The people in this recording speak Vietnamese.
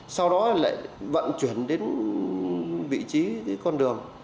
sau đó lại vận chuyển đến vị trí con đường